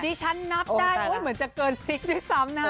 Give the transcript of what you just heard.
ฉันนับได้เหมือนจะเกินพลิกด้วยซ้ำนะฮะ